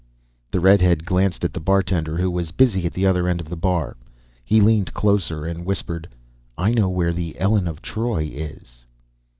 The redhead glanced at the bartender who was busy at the other end of the bar. He leaned closer and whispered. "I know where the Elen of Troy is."